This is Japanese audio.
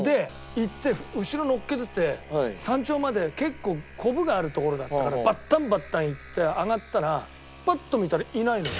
行って後ろ乗っけてて山頂まで結構コブがある所だったからバッタンバッタン行って上がったらパッと見たらいないのよ。